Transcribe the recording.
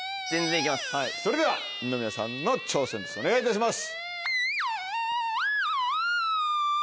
それでは二宮さんの挑戦ですお願いいたします。